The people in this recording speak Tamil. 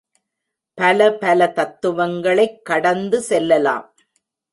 பலபல தத்துவங்களைக் கடந்து செல்லலாம்.